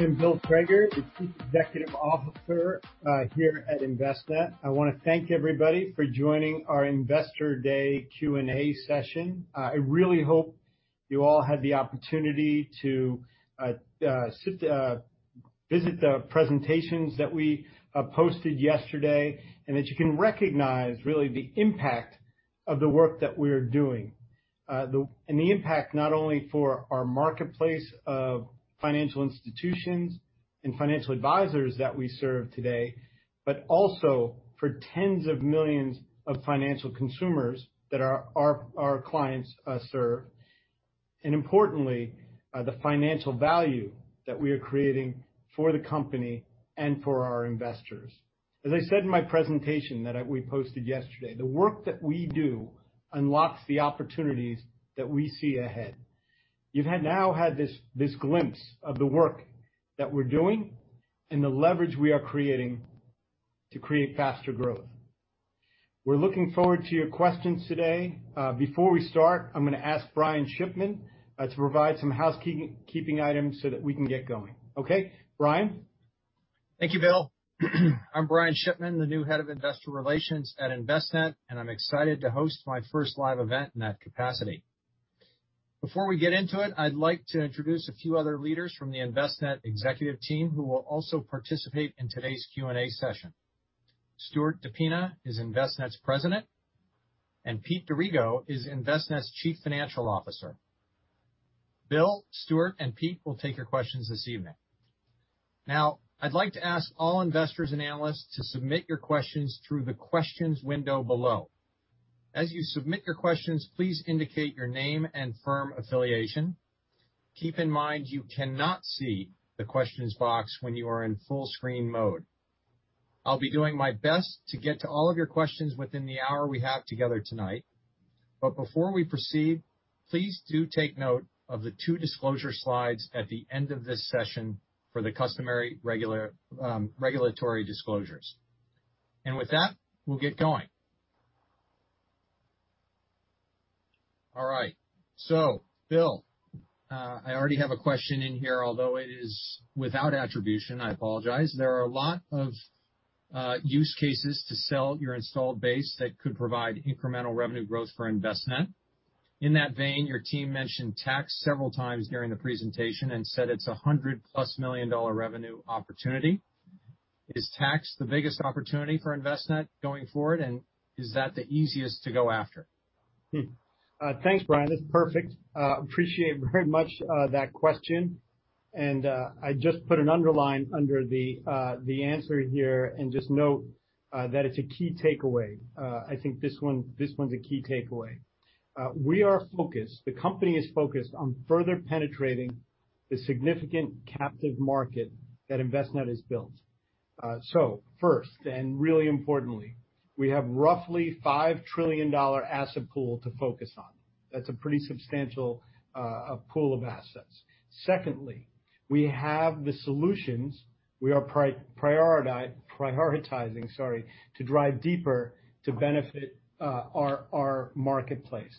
I'm Bill Crager, the Chief Executive Officer here at Envestnet. I want to thank everybody for joining our Investor Day Q&A session. I really hope you all had the opportunity to visit the presentations that we posted yesterday, that you can recognize really the impact of the work that we are doing. The impact not only for our marketplace of financial institutions and financial advisors that we serve today, but also for 10's of millions of financial consumers that our clients serve, and importantly, the financial value that we are creating for the company and for our investors. As I said in my presentation that we posted yesterday, the work that we do unlocks the opportunities that we see ahead. You've now had this glimpse of the work that we're doing and the leverage we are creating to create faster growth. We're looking forward to your questions today. Before we start, I'm going to ask Brian Shipman to provide some housekeeping items so that we can get going. Okay, Brian? Thank you, Bill. I'm Brian Shipman, the new Head of Investor Relations at Envestnet, and I'm excited to host my first live event in that capacity. Before we get into it, I'd like to introduce a few other leaders from the Envestnet executive team who will also participate in today's Q&A session. Stuart DePina is Envestnet's President, and Pete D'Arrigo is Envestnet's Chief Financial Officer. Bill, Stuart, and Pete will take your questions this evening. Now, I'd like to ask all investors and analysts to submit your questions through the questions window below. As you submit your questions, please indicate your name and firm affiliation. Keep in mind you cannot see the questions box when you are in full screen mode. I'll be doing my best to get to all of your questions within the hour we have together tonight. Before we proceed, please do take note of the two disclosure slides at the end of this session for the customary regulatory disclosures. With that, we'll get going. All right. Bill, I already have a question in here, although it is without attribution, I apologize there are a lot of use cases to sell your installed base that could provide incremental revenue growth for Envestnet. In that vein, your team mentioned tax several times during the presentation and said it's a $100+ million revenue opportunity. Is tax the biggest opportunity for Envestnet going forward, and is that the easiest to go after? Thanks, Brian that's perfect. Appreciate very much that question. I just put an underline under the answer here and just note that it's a key takeaway. I think this one's a key takeaway. We are focused, the company is focused on further penetrating the significant captive market that Envestnet has built so first, and really importantly, we have roughly $5 trillion asset pool to focus on. That's a pretty substantial pool of assets. Secondly, we have the solutions we are prioritizing to drive deeper to benefit our marketplace.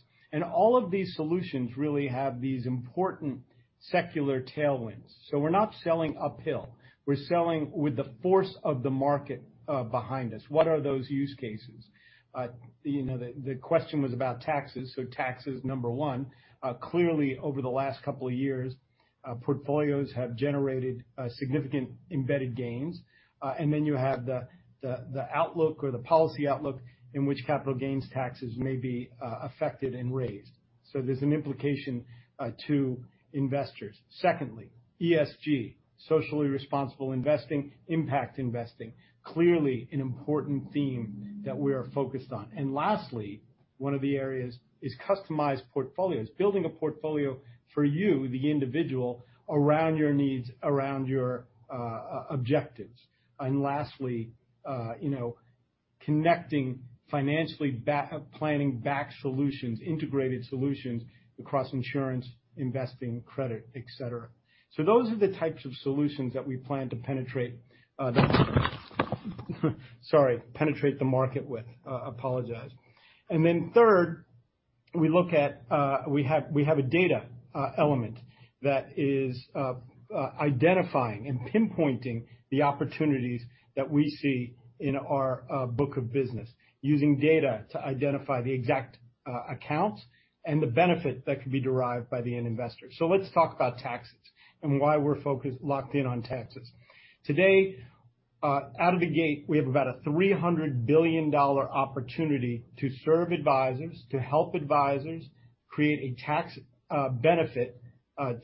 All of these solutions really have these important secular tailwinds. So we're not selling uphill. We're selling with the force of the market behind us what are those use cases? The question was about taxes, so tax is number one. Clearly, over the last couple of years, portfolios have generated significant embedded gains. Then you have the outlook or the policy outlook in which capital gains taxes may be affected and raised. There's an implication to investors, secondly, ESG, socially responsible investing, impact investing. Clearly, an important theme that we are focused on and lastly, one of the areas is customized portfolios building a portfolio for you, the individual, around your needs, around your objectives. Lastly, you know connecting financially planning back solutions, integrated solutions across insurance, investing, credit, et cetera. Those are the types of solutions that we plan to penetrate the market with. I apologize. Third, we have a data element that is identifying and pinpointing the opportunities that we see in our book of business, using data to identify the exact accounts and the benefit that can be derived by the end investor so let's talk about taxes and why we're focused locked in on taxes. Today, out of the gate, we have about a $300 billion opportunity to serve advisors, to help advisors create a tax benefit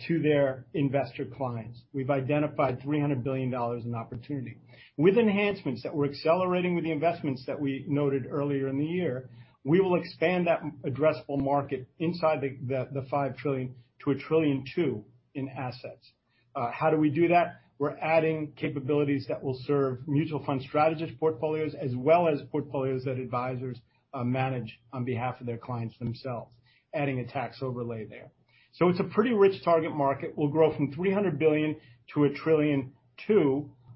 to their investor clients, we've identified $300 billion in opportunity. With enhancements that we're accelerating with the investments that we noted earlier in the year, we will expand that addressable market inside the $5 trillion-$1.2 trillion in assets. How do we do that? We're adding capabilities that will serve mutual fund strategist portfolios as well as portfolios that advisors manage on behalf of their clients themselves, adding a tax overlay there. It's a pretty rich target market we'll grow from $300 billion to a $ 2 trillion,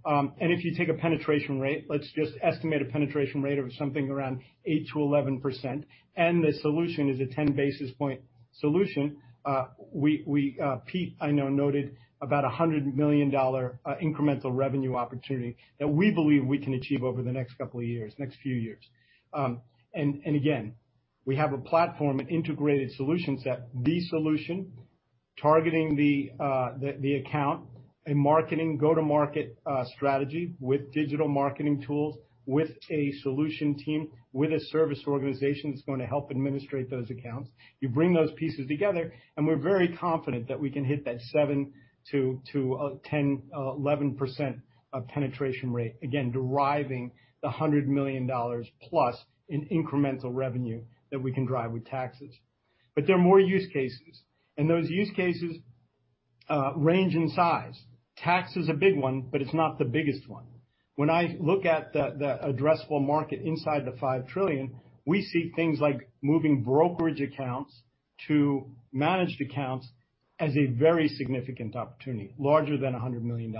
and if you take a penetration rate, let's just estimate a penetration rate of something around 8%-11%, and the solution is a 10 basis point solution. Pete, I know, noted about $100 million incremental revenue opportunity that we believe we can achieve over the next couple of years, next few years. Again, we have a platform, an integrated solution set, the solution targeting the account, a marketing go-to-market strategy with digital marketing tools, with a solution team, with a service organization that's going to help administrate those accounts. You bring those pieces together, and we're very confident that we can hit that 7%-10%, 11% of penetration rate, again, deriving the $100 million plus in incremental revenue that we can drive with taxes. There are more use cases, and those use cases range in size. Tax is a big one, but it's not the biggest one. When I look at the addressable market inside the $5 trillion, we see things like moving brokerage accounts to managed accounts as a very significant opportunity, larger than $100 million.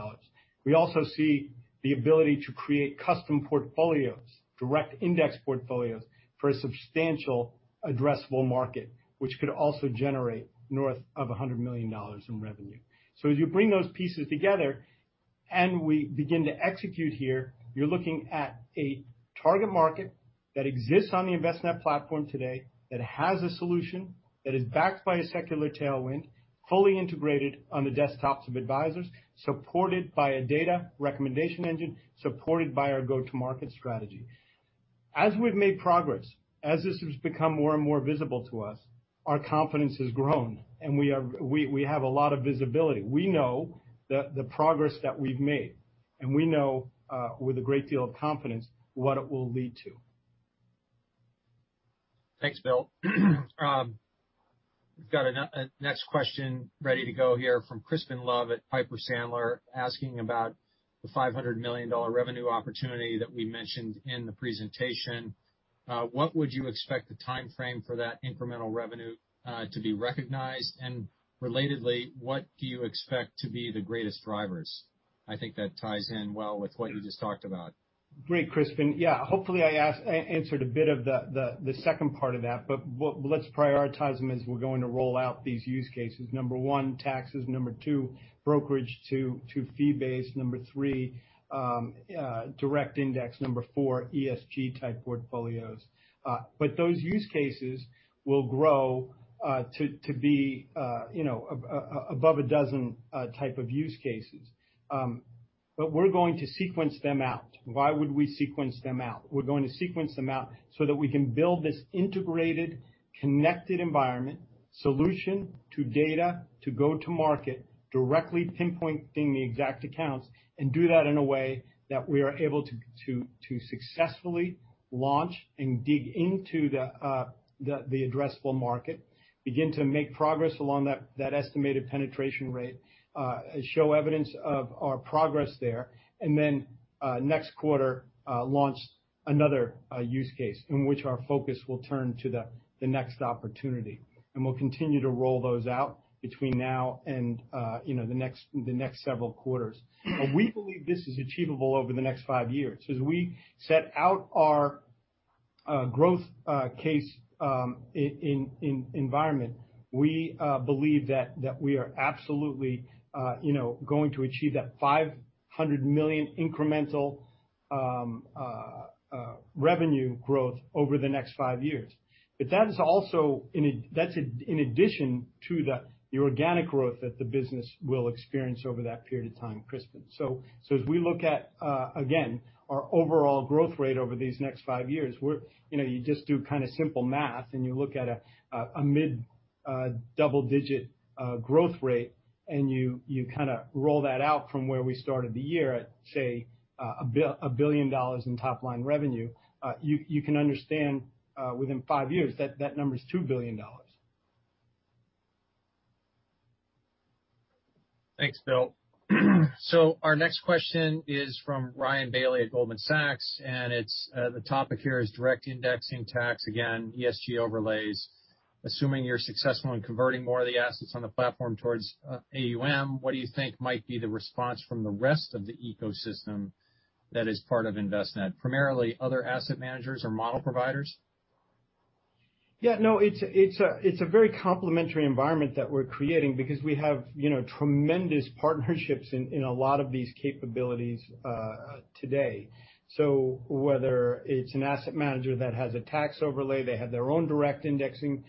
We also see the ability to create custom portfolios, direct index portfolios, for a substantial addressable market, which could also generate north of $100 million in revenue. As you bring those pieces together and we begin to execute here, you're looking at a target market that exists on the Envestnet platform today, that has a solution, that is backed by a secular tailwind, fully integrated on the desktops of advisors, supported by a data recommendation engine, supported by our go-to-market strategy. As we've made progress, as this has become more and more visible to us, our confidence has grown, and we have a lot of visibility we know, the progress that we've made, and we know with a great deal of confidence what it will lead to. Thanks, Bill. We've got a next question ready to go here from Crispin Love at Piper Sandler asking about the $500 million revenue opportunity that we mentioned in the presentation. What would you expect the timeframe for that incremental revenue to be recognized? and relatedly, what do you expect to be the greatest drivers? I think that ties in well with what you just talked about. Great, Crispin yeah hopefully, I answered a bit of the second part of that let's prioritize them as we're going to roll out these use cases, number one, taxes, number two, brokerage to fee-based, number three, direct index, number four, ESG type portfolios. Those use cases will grow to be above a dozen type of use cases. We're going to sequence them out. Why would we sequence them out? We're going to sequence them out so that we can build this integrated, connected environment solution to data to go to market directly pinpointing the exact accounts, and do that in a way that we are able to successfully launch and dig into the addressable market, begin to make progress along that estimated penetration rate, show evidence of our progress there, and then, next quarter, launch another use case in which our focus will turn to the next opportunity. We'll continue to roll those out between now and the next several quarters. We believe this is achievable over the next five years as we set out our growth case environment, we believe that we are absolutely going to achieve that $500 million incremental revenue growth over the next five years. That's in addition to the organic growth that the business will experience over that period of time, Crispin so- As we look at, again, our overall growth rate over these next five years, you just do kind of simple math, and you look at a mid-double-digit growth rate, and you kind of roll that out from where we started the year at, say, $1 billion in top-line revenue. You can understand within five years that that number is $2 billion. Thanks, Bill. Our next question is from Ryan Bailey at Goldman Sachs, and the topic here is direct indexing tax, again, ESG overlays. Assuming you're successful in converting more of the assets on the platform towards AUM, what do you think might be the response from the rest of the ecosystem? that is part of Envestnet, primarily other asset managers or model providers? Yeah. No, it's a very complimentary environment that we're creating because we have tremendous partnerships in a lot of these capabilities today. Whether it's an asset manager that has a tax overlay, they have their own direct indexing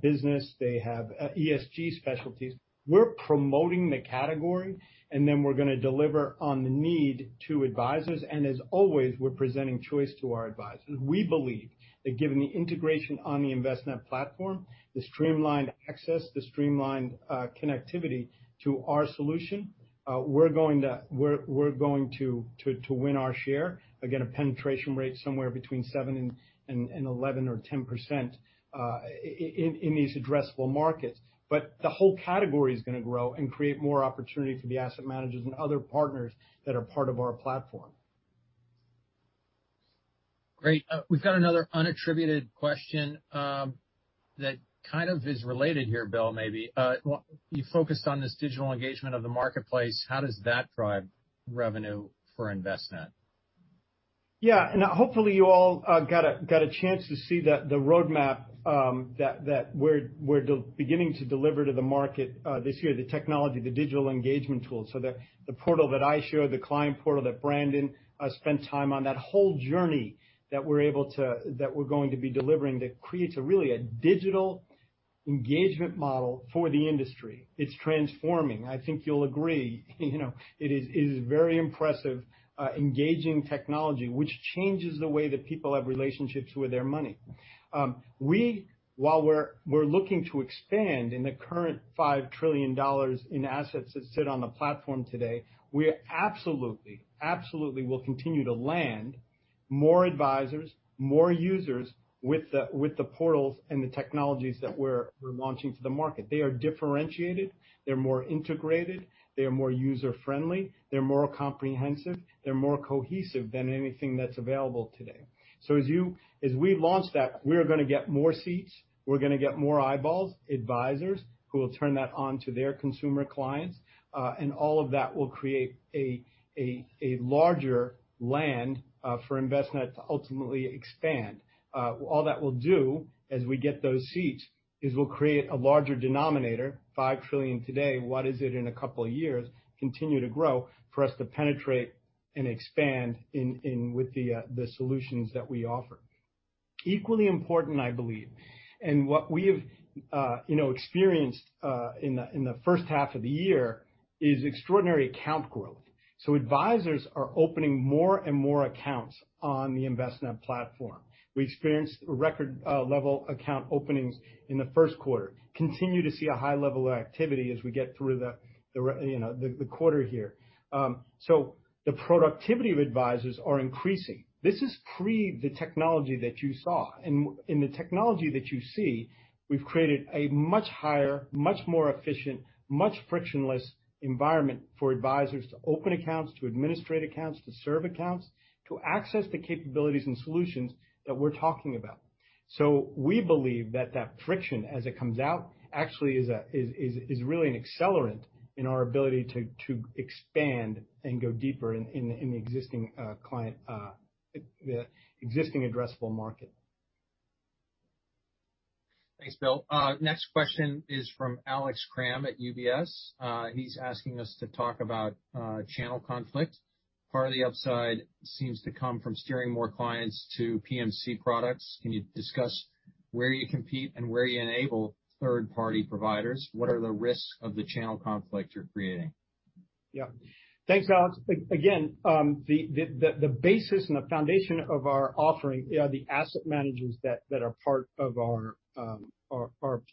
business, they have ESG specialties we're promoting the category- Then we're going to deliver on the need to advisors as always, we're presenting choice to our advisors we believe that given the integration on the Envestnet platform, the streamlined access, the streamlined connectivity to our solution, we're going to win our share, again, a penetration rate somewhere between 7% and 11% or 10% in these addressable markets. But the whole category is going to grow and create more opportunity for the asset managers and other partners that are part of our platform. Great. We've got another unattributed question that kind of is related here, Bill, maybe. You focused on this digital engagement of the marketplace. How does that drive revenue for Envestnet? Yeah. Hopefully you all got a chance to see the roadmap that we're beginning to deliver to the market this year, the technology, the digital engagement tool the portal that I showed, the client portal that Brandon spent time on, that whole journey that we're going to be delivering, that creates really a digital engagement model for the industry. It's transforming, i think you'll agree. It is very impressive, engaging technology, which changes the way that people have relationships with their money. While we're looking to expand in the current $5 trillion in assets that sit on the platform today, we absolutely will continue to land more advisors, more users with the portals and the technologies that we're launching to the market they are differentiated, they're more integrated, they're more user-friendly, they're more comprehensive, they're more cohesive than anything that's available today. As we launch that, we're going to get more seats, we're going to get more eyeballs, advisors who will turn that on to their consumer clients, and all of that will create a larger land for Envestnet to ultimately expand. All that will do, as we get those seats, is we'll create a larger denominator, $5 trillion today, what is it in a couple of years, continue to grow for us to penetrate and expand with the solutions that we offer. Equally important, I believe, and what we have experienced in the first half of the year is extraordinary account growth. Advisors are opening more and more accounts on the Envestnet platform. We experienced record level account openings in the Q1, continue to see a high level of activity as we get through the quarter here. The productivity of advisors are increasing. This is pre the technology that you saw. In the technology that you see, we've created a much higher, much more efficient, much frictionless environment for advisors to open accounts, to administrate accounts, to serve accounts, to access the capabilities and solutions that we're talking about. We believe that that friction, as it comes out, actually is really an accelerant in our ability to expand and go deeper in the existing addressable market. Thanks, Bill. Next question is from Alex Kramm at UBS. He's asking us to talk about channel conflict. Part of the upside seems to come from steering more clients to PMC products can you discuss where you compete and where you enable third-party providers? What are the risks of the channel conflict you're creating? Yeah. Thanks, Alex. Again, the basis and the foundation of our offering are the asset managers that are part of our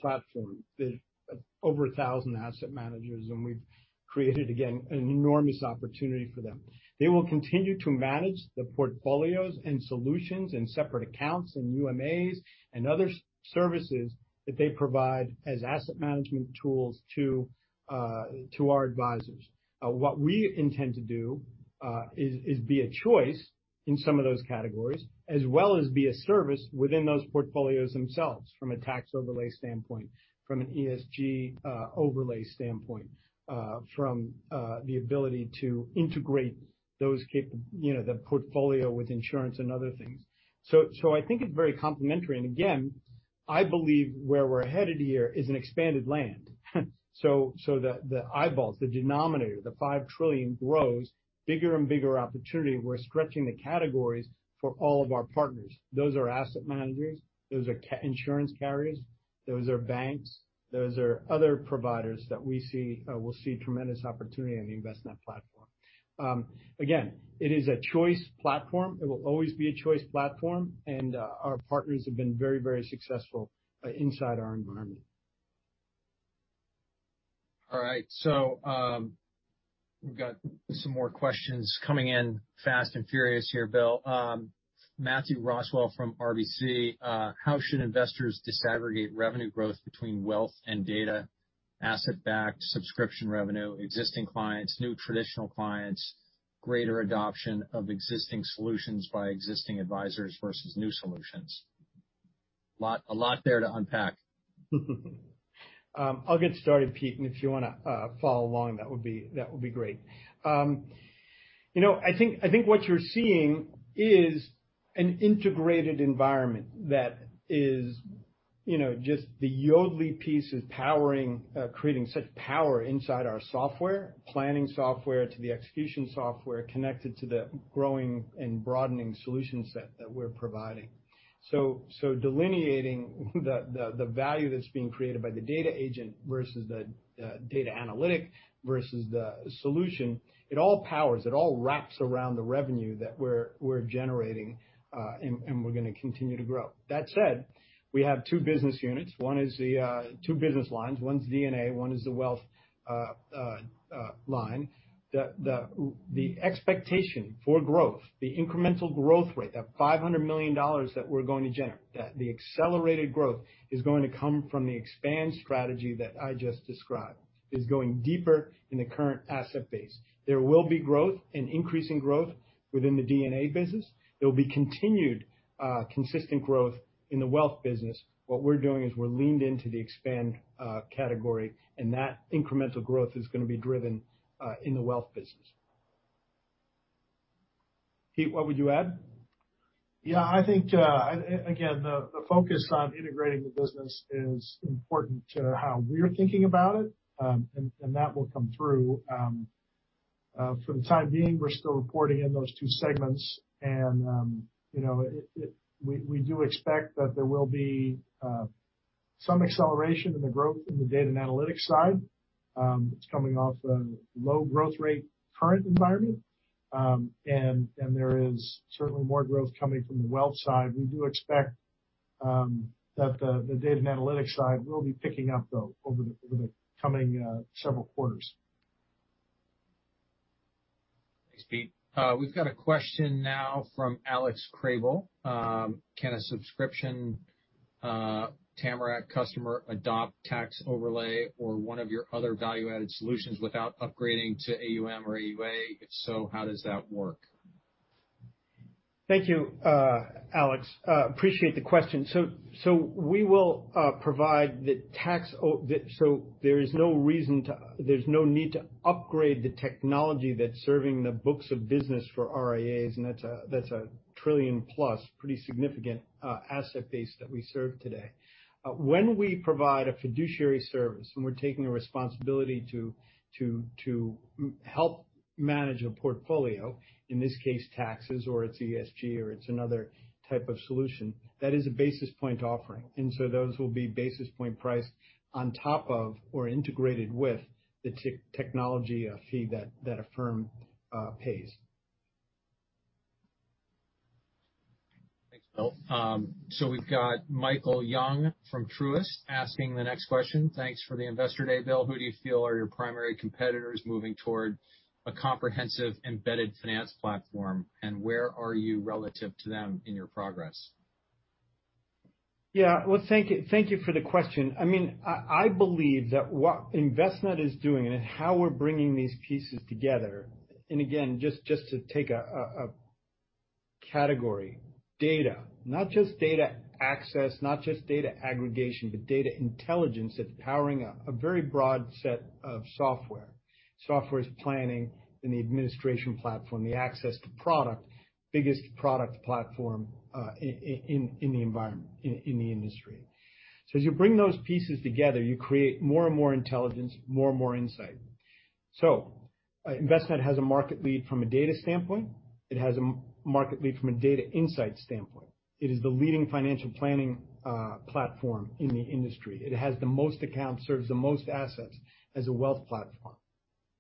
platform, there's over 1,000 asset managers we've created, again, an enormous opportunity for them. They will continue to manage the portfolios and solutions and separate accounts and UMAs and other services that they provide as asset management tools to our advisors. What we intend to do is be a choice in some of those categories, as well as be a service within those portfolios themselves from a tax overlay standpoint, from an ESG overlay standpoint, from the ability to integrate the portfolio with insurance and other things. I think it's very complimentary again, I believe where we're headed here is an expanded land. The eyeballs, the denominator, the $5 trillion grows, bigger and bigger opportunity we're stretching the categories for all of our partners. Those are asset managers, those are insurance carriers, those are banks, those are other providers that we see will see tremendous opportunity on the Envestnet platform. Again, it is a choice platform it will always be a choice platform, and our partners have been very successful inside our environment. All right. We've got some more questions coming in fast and furious here, Bill. Matthew Roswell from RBC. How should investors disaggregate revenue growth between wealth and data, asset-backed subscription revenue, existing clients, new traditional clients, greater adoption of existing solutions by existing advisors versus new solutions? A lot there to unpack. I'll get started, Pete, and if you want to follow along, that would be great. I think what you're seeing is an integrated environment that is just the Yodlee piece is creating such power inside our software, planning software to the execution software connected to the growing and broadening solution set that we're providing. Delineating the value that's being created by the data agent versus the data analytic versus the solution, it all powers, it all wraps around the revenue that we're generating, and we're going to continue to grow that said, we have two business lines, one's D&A, one is the wealth line, the expectation for growth, the incremental growth rate, that $500 million that we're going to generate, the accelerated growth is going to come from the expand strategy that I just described, is going deeper in the current asset base. There will be growth and increasing growth within the D&A business. There'll be continued consistent growth in the wealth business. What we're doing is we're leaned into the expand category, and that incremental growth is going to be driven in the wealth business. Pete, what would you add? I think, again, the focus on integrating the business is important to how we're thinking about it. That will come through. For the time being, we're still reporting in those two segments. We do expect that there will be some acceleration in the growth in the data and analytics side. It's coming off a low growth rate current environment. There is certainly more growth coming from the wealth side we do expect that the data and analytics side will be picking up, though, over the coming several quarters. Thanks, Pete we've got a question now from Alex Kramm. "Can a subscription Tamarac customer adopt tax overlay or one of your other value-added solutions without upgrading to AUM or AUA? If so, how does that work? Thank you, Alex. Appreciate the question. There's no need to upgrade the technology that's serving the books of business for RIAs, and that's a trillion-plus, pretty significant asset base that we serve today. When we provide a fiduciary service and we're taking responsibility to help manage a portfolio, in this case, taxes or it's ESG or it's another type of solution, that is a basis point offering so those will be basis point price on top of or integrated with the technology fee that a firm pays. Thanks, Bill. We've got Michael Young from Truist asking the next question. "Thanks for the Investor Day, Bill who do you feel are your primary competitors moving toward a comprehensive embedded finance platform, and where are you relative to them in your progress? Yeah. Well, thank you for the question, i mean, i believe that what Envestnet is doing and how we're bringing these pieces together, and again, just to take a category, data, not just data access, not just data aggregation, but data intelligence that's powering a very broad set of software. Software is planning in the administration platform, the access to product, biggest product platform in the industry. As you bring those pieces together, you create more and more intelligence, more and more insight. Envestnet has a market lead from a data standpoint. It has a market lead from a data insight standpoint. It is the leading financial planning platform in the industry it has the most accounts, serves the most assets as a wealth platform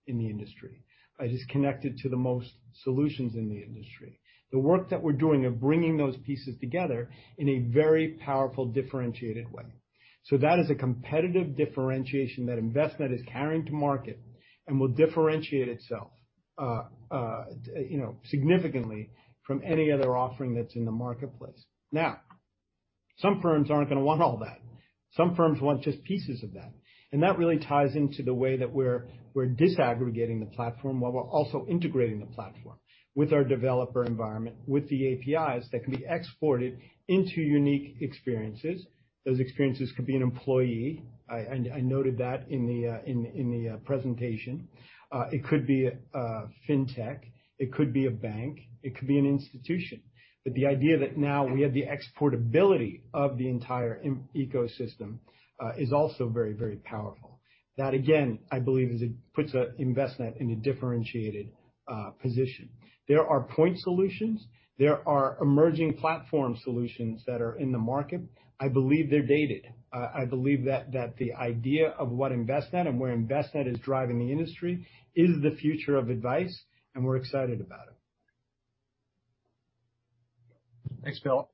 in the industry. It is connected to the most solutions in the industry. The work that we're doing of bringing those pieces together in a very powerful, differentiated way. That is a competitive differentiation that Envestnet is carrying to market and will differentiate itself, significantly from any other offering that's in the marketplace. Now, some firms aren't going to want all that. Some firms want just pieces of that. That really ties into the way that we're disaggregating the platform while we're also integrating the platform with our developer environment, with the APIs that can be exported into unique experiences. Those experiences could be an employee, I noted that in the presentation. It could be a FinTech, it could be a bank, it could be an institution. The idea that now we have the exportability of the entire ecosystem is also very powerful. That, again, I believe puts Envestnet in a differentiated position. There are point solutions, there are emerging platform solutions that are in the market. I believe they're dated. I believe that the idea of what Envestnet and where Envestnet is driving the industry is the future of advice, and we're excited about it. Thanks, Bill.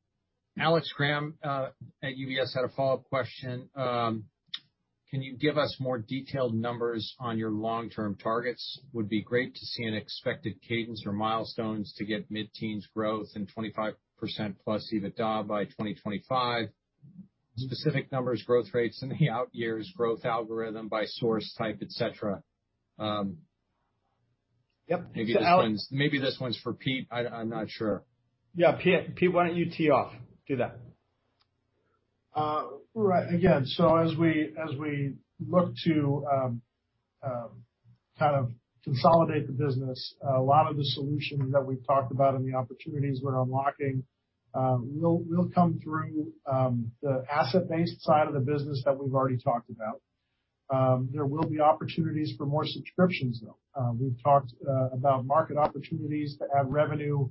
Alex Kramm at UBS had a follow-up question. "Can you give us more detailed numbers on your long-term targets? Would be great to see an expected cadence or milestones to get mid-teens growth and +25% EBITDA by 2025. Specific numbers, growth rates in the out years, growth algorithm by source type, et cetera." Yep maybe this one's for Pete, I'm not sure. Yeah. Pete, why don't you tee off? Do that. Right. Again, as we look to kind of consolidate the business, a lot of the solutions that we've talked about and the opportunities we're unlocking, will come through the asset-based side of the business that we've already talked about. There will be opportunities for more subscriptions, though we've talked about market opportunities to add revenue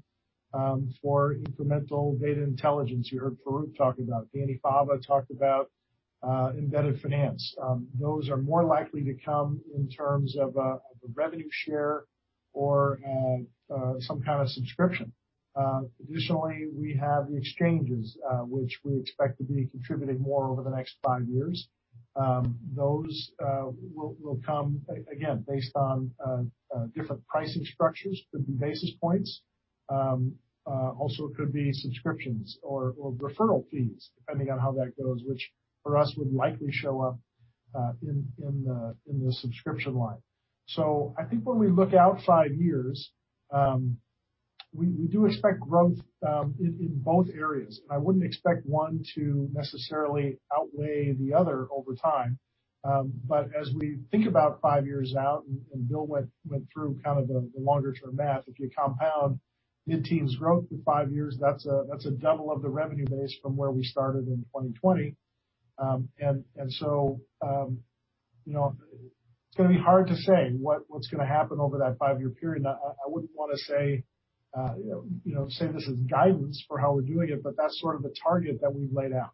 for incremental data intelligence you heard Farouk talk about it, Dani Fava talk about embedded finance. Those are more likely to come in terms of a revenue share or some kind of subscription. Additionally, we have the exchanges, which we expect to be contributing more over the next five years. Those will come again, based on different pricing structures, could be basis points. Could be subscriptions or referral fees, depending on how that goes, which for us would likely show up in the subscription line. I think when we look out five years, we do expect growth in both areas. I wouldn't expect one to necessarily outweigh the other over time. As we think about five years out, and Bill went through kind of the longer-term math, if you compound mid-teens growth for five years, that's a double of the revenue base from where we started in 2020. It's going to be hard to say what's going to happen over that five year period, i wouldn't want to say this as guidance for how we're doing it, but that's sort of the target that we've laid out.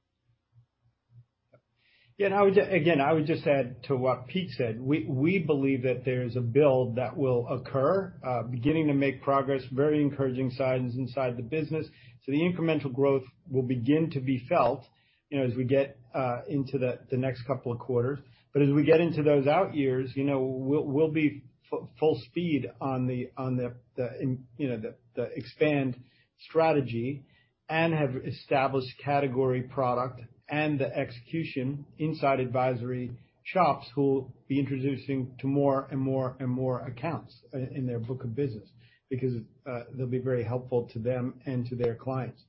Yeah. Again, I would just add to what Pete said we believe that there's a build that will occur, beginning to make progress, very encouraging signs inside the business. The incremental growth will begin to be felt as we get into the next couple of quarters. As we get into those out years, we'll be full speed on the expand strategy and have established category product and the execution inside advisory shops who'll be introducing to more and more accounts in their book of business, because they'll be very helpful to them and to their clients.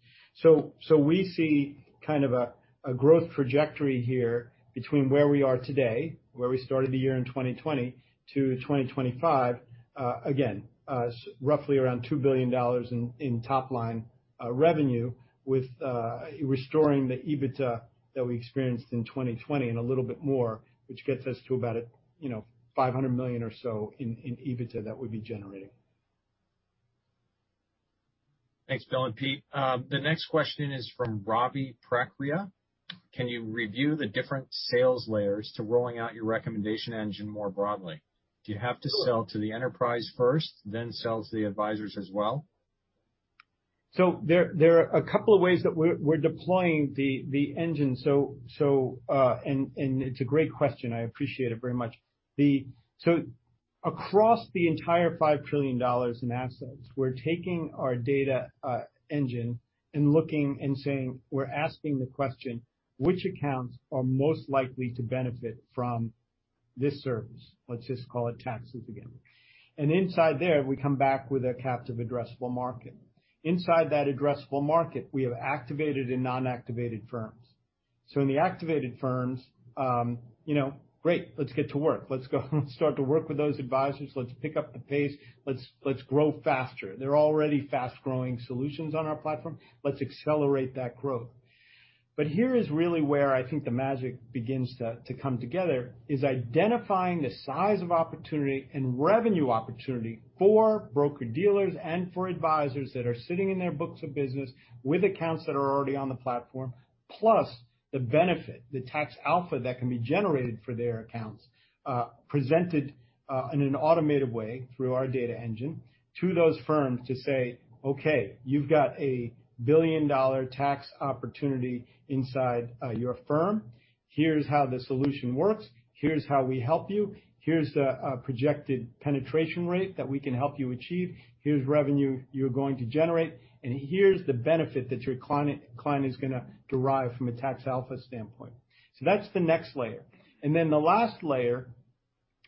We see kind of a growth trajectory here between where we are today, where we started the year in 2020 to 2025. Again, roughly around $2 billion in top-line revenue with restoring the EBITDA that we experienced in 2020 and a little bit more, which gets us to about $500 million or so in EBITDA that we'd be generating. Thanks, Bill and Pete. The next question is from Robbie Prakria. Can you review the different sales layers to rolling out your recommendation engine more broadly? Do you have to sell to the enterprise first, then sell to the advisors as well? There are a couple of ways that we're deploying the engine. It's a great question i appreciate it very much. Across the entire $5 trillion in assets, we're taking our data engine and looking and saying, we're asking the question, which accounts are most likely to benefit from this service? Let's just call it taxes again. Inside there, we come back with a captive addressable market. Inside that addressable market, we have activated and non-activated firms. In the activated firms, great, let's get to work, let's go start to work with those advisors let's pick up the pace, let's grow faster they're already fast-growing solutions on our platform. Let's accelerate that growth. Here is really where I think the magic begins to come together, is identifying the size of opportunity and revenue opportunity for broker-dealers and for advisors that are sitting in their books of business with accounts that are already on the platform, plus the benefit, the tax alpha that can be generated for their accounts, presented in an automated way through our data engine to those firms to say, "Okay, you've got a billion-dollar tax opportunity inside your firm. Here's how the solution works. Here's how we help you. Here's the projected penetration rate that we can help you achieve. Here's revenue you're going to generate, and here's the benefit that your client is going to derive from a tax alpha standpoint." That's the next layer. Then the last layer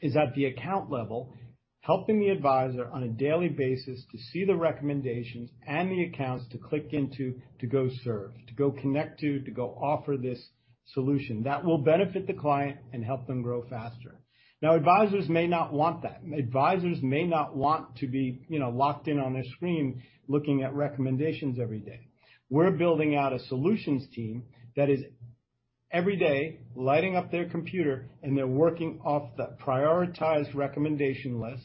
is at the account level, helping the advisor on a daily basis to see the recommendations and the accounts to click into, to go serve, to go connect to go offer this solution that will benefit the client and help them grow faster. Now, advisors may not want that, advisors may not want to be locked in on their screen, looking at recommendations every day. We're building out a solutions team that is every day lighting up their computer, and they're working off that prioritized recommendation list,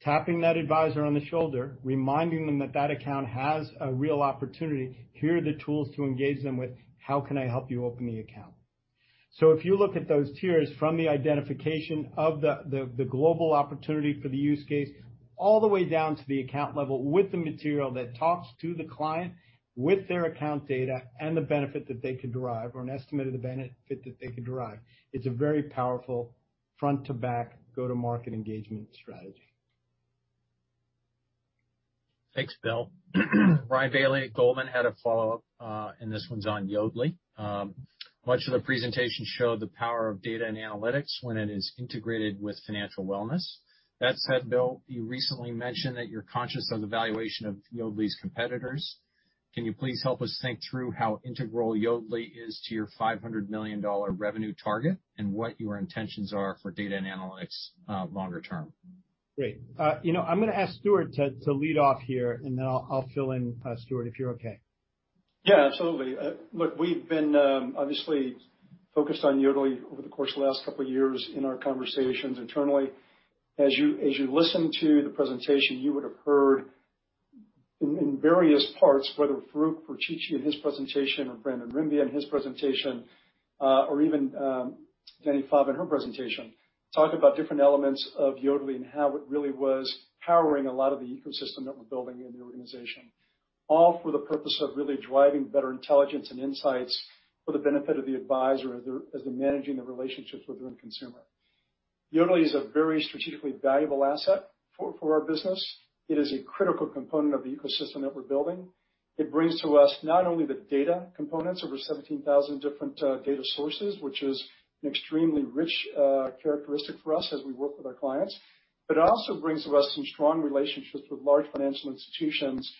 tapping that advisor on the shoulder, reminding them that that account has a real opportunity. Here are the tools to engage them with. How can I help you open the account? If you look at those tiers from the identification of the global opportunity for the use case, all the way down to the account level with the material that talks to the client with their account data and the benefit that they could derive or an estimate of the benefit that they could derive, it's a very powerful front-to-back go-to-market engagement strategy. Thanks, Bill. Ryan Bailey at Goldman had a follow-up, and this one's on Yodlee. Much of the presentation showed the power of data and analytics when it is integrated with financial wellness. That said, Bill, you recently mentioned that you're conscious of the valuation of Yodlee's competitors. Can you please help us think through how integral Yodlee is to your $500 million revenue target? and what your intentions are for data and analytics longer term? Great. I'm going to ask Stuart to lead off here, and then I'll fill in, Stuart, if you're okay. Yeah, absolutely look, we've been obviously focused on Yodlee over the course of the last couple of years in our conversations internally. As you listened to the presentation, you would have heard in various parts, whether Farouk Ferchichi in his presentation or Brandon Rembe in his presentation or even Jenny Faber in her presentation, talk about different elements of Yodlee and how it really was powering a lot of the ecosystem that we're building in the organization. All for the purpose of really driving better intelligence and insights for the benefit of the advisor as they're managing the relationships with their own consumer. Yodlee is a very strategically valuable asset for our business. It is a critical component of the ecosystem that we're building. It brings to us not only the data components, over 17,000 different data sources which is an extremely rich characteristic for us as we work with our clients. It also brings to us some strong relationships with large financial institutions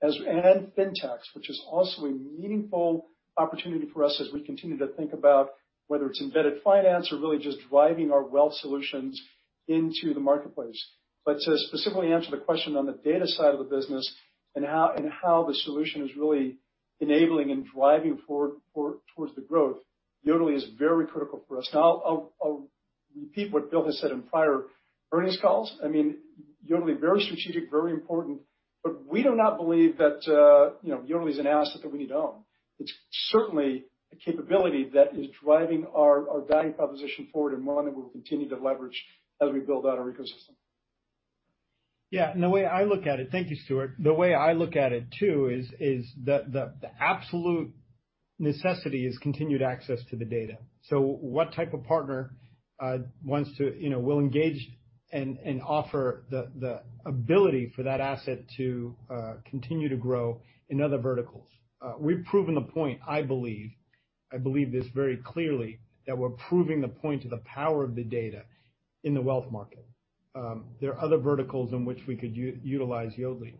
and FinTech, which is also a meaningful opportunity for us as we continue to think about whether it's embedded finance or really just driving our wealth solutions into the marketplace. To specifically answer the question on the data side of the business and how the solution is really enabling and driving towards the growth, Yodlee is very critical for us now, I'll repeat what Bill has said in prior earnings calls i mean, Yodlee very strategic, very important, but we do not believe that Yodlee is an asset that we need to own. It's certainly a capability that is driving our value proposition forward and one that we'll continue to leverage as we build out our ecosystem. Yeah. Thank you, Stuart the way I look at it too, is that the absolute necessity is continued access to the data so what type of partner will engage and offer the ability for that asset to continue to grow in other verticals? We've proven a point, I believe. I believe this very clearly, that we're proving the point of the power of the data in the wealth market. There are other verticals in which we could utilize Yodlee.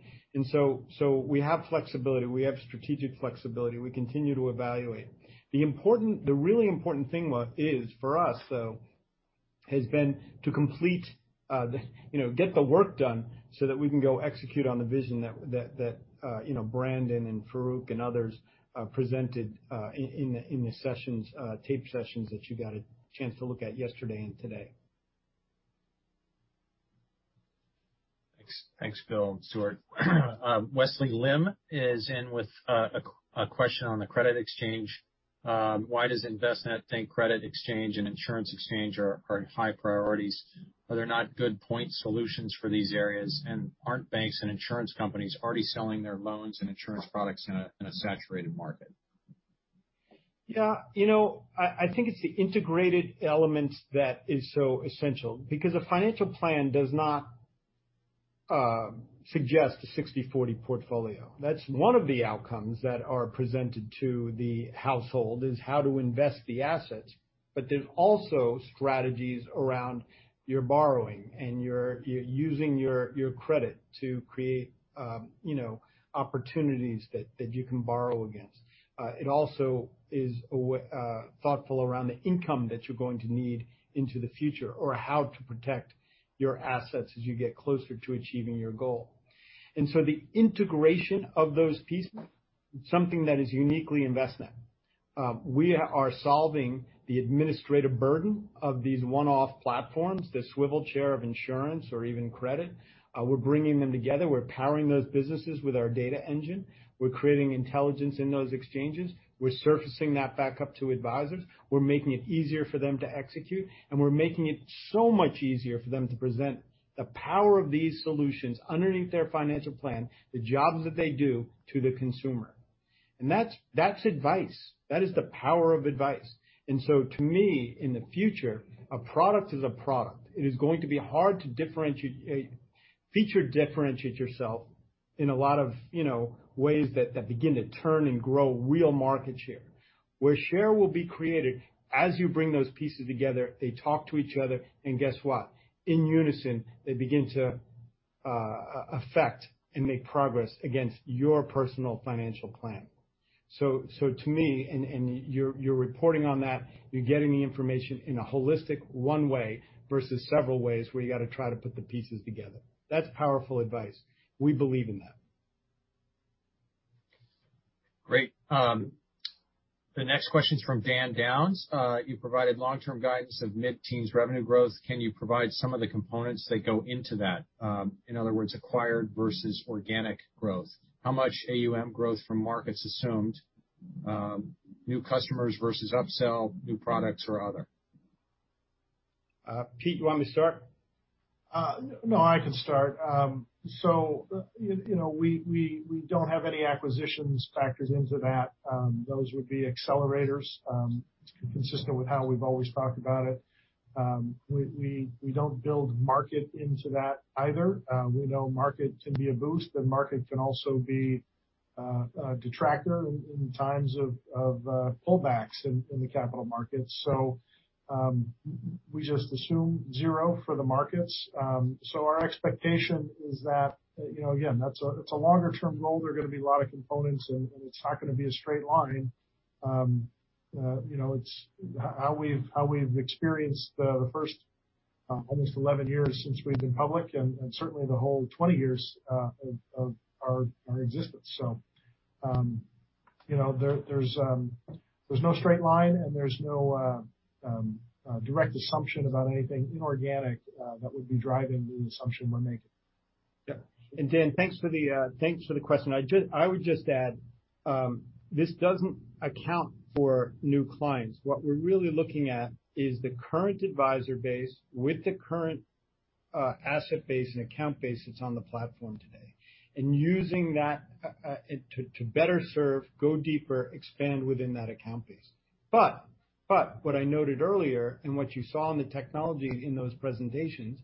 So we have flexibility, we have strategic flexibility, we continue to evaluate. The really important thing is for us, though, has been to get the work done so that we can go execute on the vision that Brandon and Farouk and others presented in the taped sessions that you got a chance to look at yesterday and today. Thanks, Bill and Stuart. Wesley Lim is in with a question on the credit exchange. Why does Envestnet think credit exchange and insurance exchange are high priorities? Are there not good point solutions for these areas? Aren't banks and insurance companies already selling their loans and insurance products in a saturated market? I think it's the integrated elements that is so essential because a financial plan does not suggest a 60/40 portfolio. That's one of the outcomes that are presented to the household, is how to invest the assets. There's also strategies around your borrowing and you're using your credit to create opportunities that you can borrow against, it also is thoughtful around the income that you're going to need into the future or how to protect your assets as you get closer to achieving your goal. The integration of those pieces is something that is uniquely Envestnet. We are solving the administrative burden of these one-off platforms, the swivel chair of insurance or even credit. We're bringing them together, we're powering those businesses with our data engine, we're creating intelligence in those exchanges, we're surfacing that back up to advisors, we're making it easier for them to execute, and we're making it so much easier for them to present the power of these solutions underneath their financial plan, the jobs that they do to the consumer. That's advice. That is the power of advice. And so to me, in the future, a product is a product. It is going to be hard to feature differentiate yourself in a lot of ways that begin to turn and grow real market share. Where share will be created as you bring those pieces together, they talk to each other, and guess what? In Envestnet, they begin to affect and make progress against your personal financial plan. To me, and you're reporting on that, you're getting the information in a holistic one way versus several ways where you got to try to put the pieces together. That's powerful advice. We believe in that. Great. The next question is from Dan Downs. You provided long-term guidance of mid-teens revenue growth. Can you provide some of the components that go into that? In other words, acquired versus organic growth. How much AUM growth from markets assumed, new customers versus upsell, new products or other? Pete, you want me to start? No, I can start. We don't have any acquisitions factored into that. Those would be accelerators, consistent with how we've always talked about it. We don't build market into that either. We know market can be a boost, but market can also be a detractor in times of pullbacks in the capital markets. We just assume zero for the markets. Our expectation is that, again, it's a longer-term goal there are going to be a lot of components, and it's not going to be a straight line. It's how we've experienced the first almost 11 years since we've been public and certainly the whole 20 years of our existence. There's no straight line, and there's no direct assumption about anything inorganic that would be driving the assumption we're making. Yeah. Dan, thanks for the question i would just add, this doesn't account for new clients what we're really looking at is the current advisor base with the current asset base and account base that's on the platform today, and using that to better serve, go deeper, expand within that account base. What I noted earlier, and what you saw in the technology in those presentations,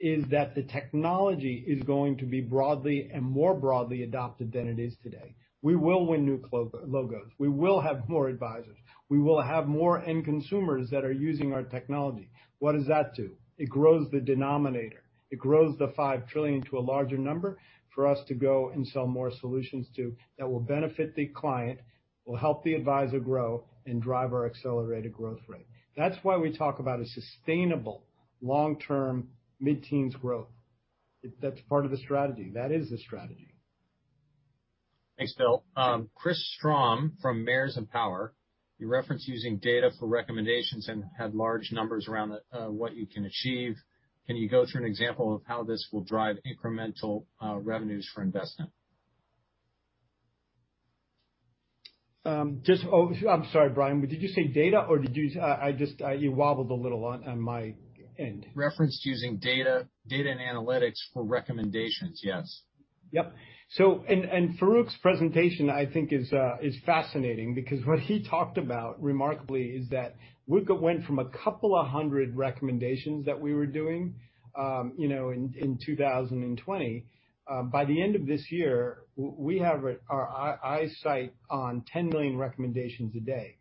is that the technology is going to be broadly and more broadly adopted than it is today. We will win new logos, we will have more advisors, we will have more end consumers that are using our technology. What does that do? It grows the denominator. It grows the $5 trillion to a larger number for us to go and sell more solutions to that will benefit the client, will help the advisor grow, and drive our accelerated growth rate. That's why we talk about a sustainable long-term mid-teens growth. That's part of the strategy that is the strategy. Thanks, Bill. Chris Strom from Mairs & Power. You reference using data for recommendations and had large numbers around what you can achieve. Can you go through an example of how this will drive incremental revenues for Envestnet? I'm sorry, Brian, but did you say data or you wobbled a little on my end? Referenced using data and analytics for recommendations, yes. Yep. Farouk's presentation, I think is fascinating because what he talked about remarkably is that we went from 200 recommendations that we were doing in 2020. By the end of this year, we have our eyesight on 10 million recommendations a day.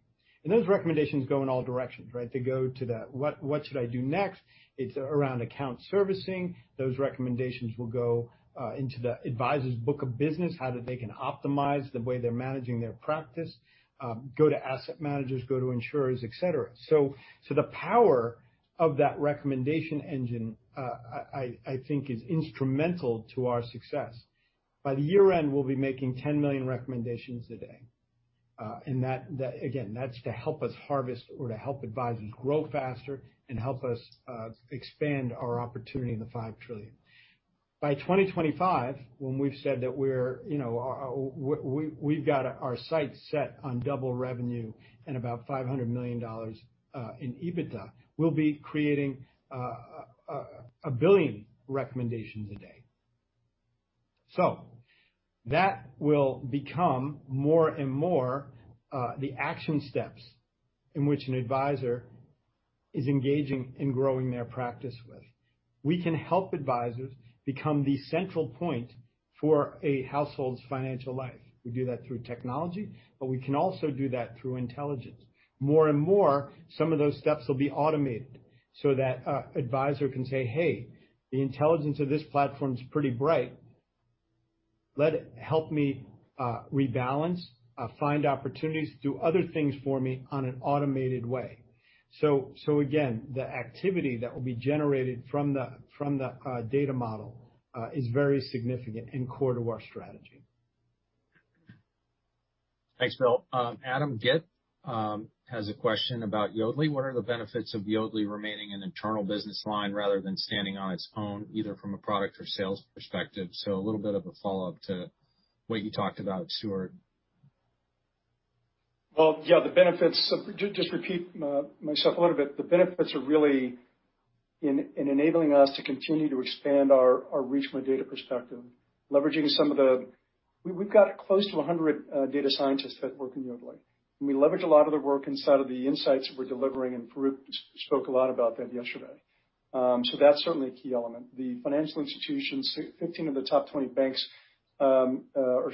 Those recommendations go in all directions, right? they go to the, what should I do next? It's around account servicing. Those recommendations will go into the advisor's book of business, how they can optimize the way they're managing their practice, go to asset managers, go to insurers, et cetera. The power of that recommendation engine, I think is instrumental to our success. By the year-end, we'll be making 10 million recommendations a day. Again, that's to help us harvest or to help advisors grow faster and help us expand our opportunity in the $5 trillion. By 2025, when we've said that we've got our sights set on double revenue and about $500 million in EBITDA, we'll be creating a billion recommendations a day. That will become more and more the action steps in which an advisor is engaging in growing their practice with. We can help advisors become the central point for a household's financial life. We do that through technology, we can also do that through intelligence. More and more, some of those steps will be automated so that advisor can say, "Hey, the intelligence of this platform is pretty bright. Let it help me rebalance, find opportunities, do other things for me on an automated way." Again, the activity that will be generated from the data model is very significant and core to our strategy. Thanks, Bill. Adam Gitt has a question about Yodlee. What are the benefits of Yodlee remaining an internal business line rather than standing on its own, either from a product or sales perspective? so a little bit of a follow-up to what you talked about, Stuart. Yeah, the benefits, just repeat myself a little bit, the benefits are really in enabling us to continue to expand our reach from a data perspective, leveraging some of the, we've got close to 100 data scientists that work in Yodlee, and we leverage a lot of the work inside of the insights that we're delivering, and Farouk spoke a lot about that yesterday. That's certainly a key element the financial institutions, 15 of the top 20 banks are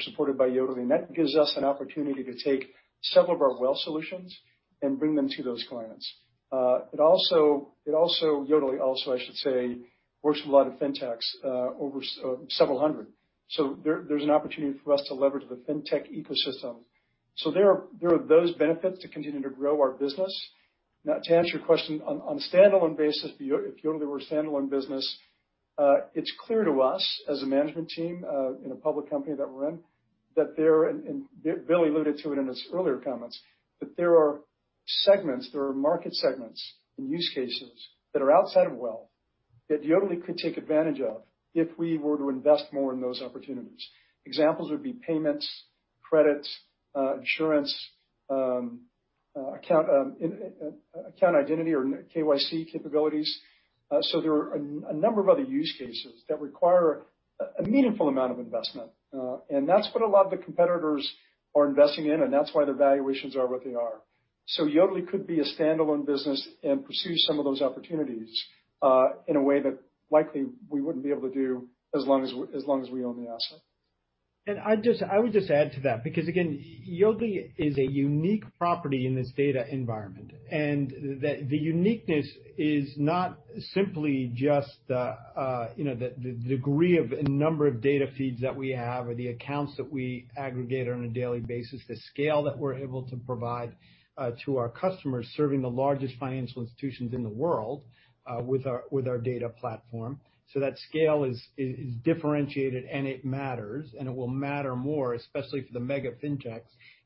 supported by Yodlee, and that gives us an opportunity to take several of our wealth solutions and bring them to those clients. Yodlee also, I should say, works with a lot of FinTech, over several 100. There's an opportunity for us to leverage the FinTech ecosystem. There are those benefits to continue to grow our business. To answer your question on a standalone basis, if Yodlee were a standalone business, it's clear to us as a management team in a public company that we're in, and Bill alluded to it in his earlier comments, that there are segments, market segments and use cases that are outside of wealth that Yodlee could take advantage of if we were to invest more in those opportunities. Examples would be payments, credits, insurance, account identity or KYC capabilities. There are a number of other use cases that require a meaningful amount of investment, and that's what a lot of the competitors are investing in, and that's why the valuations are what they are. Yodlee could be a standalone business and pursue some of those opportunities in a way that likely we wouldn't be able to do as long as we own the asset. I would just add to that, because again, Yodlee is a unique property in this data environment, and the uniqueness is not simply just the degree of a number of data feeds that we have or the accounts that we aggregate on a daily basis, the scale that we're able to provide to our customers, serving the largest financial institutions in the world with our data platform. That scale is differentiated and it matters, and it will matter more, especially for the mega FinTech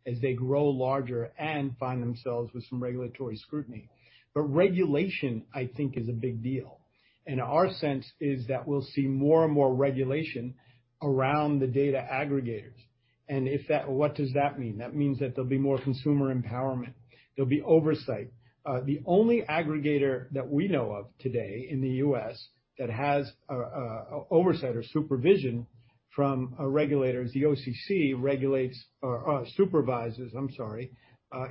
as they grow larger and find themselves with some regulatory scrutiny. Regulation, I think, is a big deal. Our sense is that we'll see more and more regulation around the data aggregators. What does that mean? that means that there'll be more consumer empowerment. There'll be oversight. The only aggregator that we know of today in the U.S. that has oversight or supervision from a regulator is the OCC supervises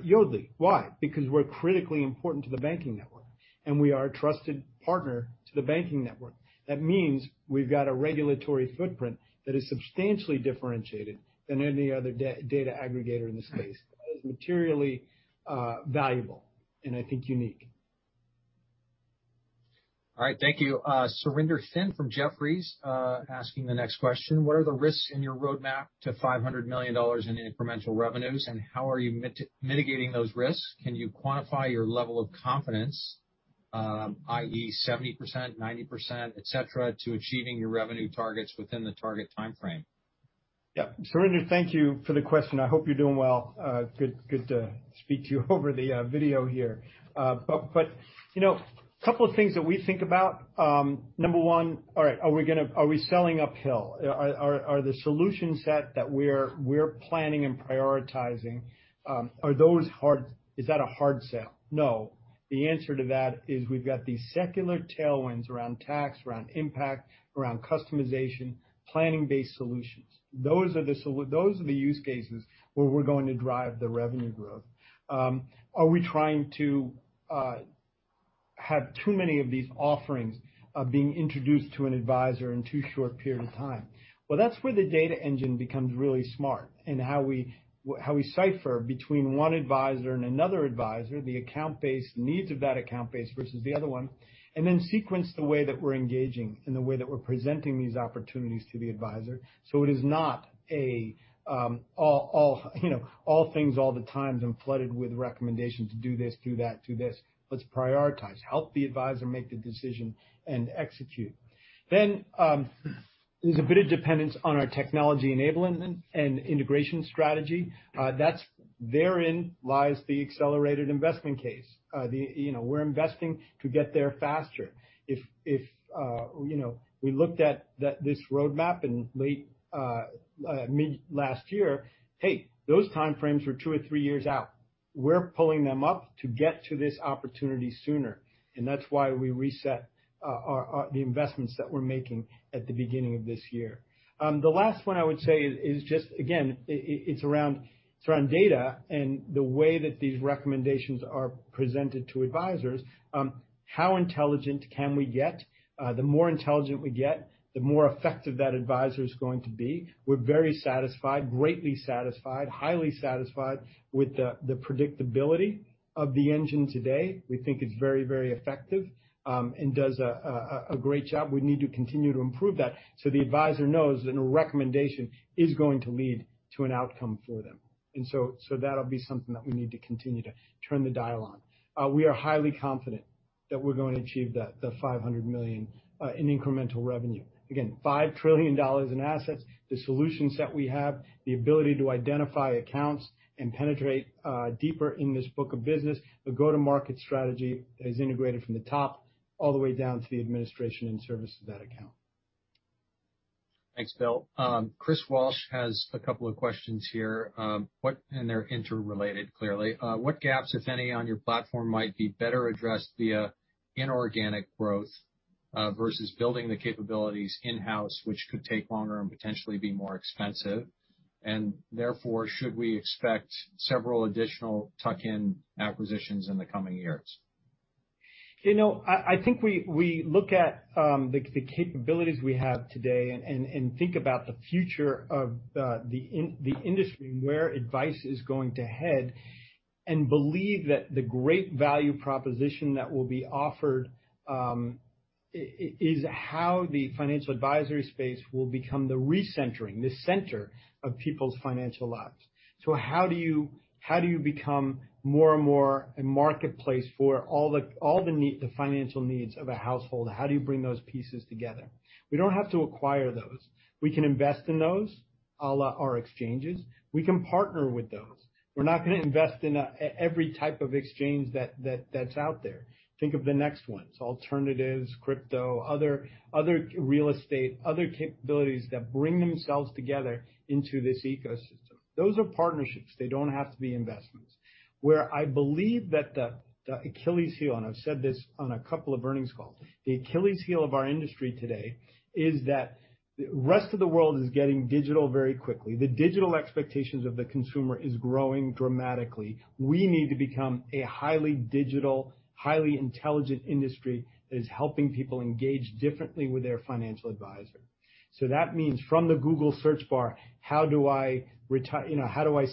Yodlee. Why? because we're critically important to the banking network, and we are a trusted partner to the banking network. That means we've got a regulatory footprint that is substantially differentiated than any other data aggregator in the space that is materially valuable and I think unique. All right. Thank you. Surinder Thind from Jefferies asking the next question, what are the risks in your roadmap to $500 million in incremental revenues, and how are you mitigating those risks? Can you quantify your level of confidence, i.e., 70%, 90%, et cetera, to achieving your revenue targets within the target timeframe? Yeah. Surinder, thank you for the question i hope you're doing well. Good to speak to you over the video here. A couple of things that we think about. Number one, all right, are we selling uphill? Are the solution set that we're planning and prioritizing, is that a hard sell? No. The answer to that is we've got these secular tailwinds around tax, around impact, around customization, planning-based solutions. Those are the use cases where we're going to drive the revenue growth. Are we trying to have too many of these offerings being introduced to an advisor in too short period of time? Well, that's where the data engine becomes really smart and how we cipher between one advisor and another advisor, the needs of that account base versus the other one. And then sequence the way that we're engaging and the way that we're presenting these opportunities to the advisor, so it is not all things all the time and flooded with recommendations to do this, do that, do this let's prioritize. Help the advisor make the decision and execute. There's a bit of dependence on our technology enablement and integration strategy. Therein lies the accelerated investment case. We're investing to get there faster. If we looked at this roadmap in mid last year, hey, those timeframes were two or three years out. We're pulling them up to get to this opportunity sooner, and that's why we reset the investments that we're making at the beginning of this year. The last one I would say is just, again, it's around data and the way that these recommendations are presented to advisors. How intelligent can we get? The more intelligent we get, the more effective that advisor's going to be, we're very satisfied, greatly satisfied, highly satisfied with the predictability of the engine today, we think it's very effective. And does a great job we need to continue to improve that so the advisor knows that a recommendation is going to lead to an outcome for them. So that'll be something that we need to continue to turn the dial on. We are highly confident that we're going to achieve the $500 million in incremental revenue. Again, $5 trillion in assets, the solution set we have, the ability to identify accounts and penetrate deeper in this book of business, the go-to-market strategy is integrated from the top all the way down to the administration and service of that account. Thanks, Bill. Chris Walsh has a couple of questions here, and they're interrelated, clearly what gaps, if any, on your platform might be better addressed via inorganic growth versus building the capabilities in-house, which could take longer and potentially be more expensive? Therefore, should we expect several additional tuck-in acquisitions in the coming years? I think we look at the capabilities we have today and think about the future of the industry and where advice is going to head and believe that the great value proposition that will be offered is how the financial advisory space will become the re-centering, the center of people's financial lives. How do you become more and more a marketplace for all the financial needs of a household? How do you bring those pieces together? We don't have to acquire those. We can invest in those, a la our exchanges. We can partner with those. We're not going to invest in every type of exchange that's out there. Think of the next ones, alternatives, crypto, other real estate, other capabilities that bring themselves together into this ecosystem. Those are partnerships they don't have to be investments. Where I believe that the Achilles' heel, and I've said this on a couple of earnings calls, the Achilles' heel of our industry today is that the rest of the world is getting digital very quickly the digital expectations of the consumer is growing dramatically. We need to become a highly digital, highly intelligent industry that is helping people engage differently with their financial advisor. That means from the Google search bar, how do I